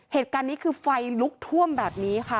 เหตุการณ์นี้คือไฟลุกท่วมแบบนี้ค่ะ